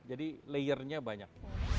jadi layernya banyak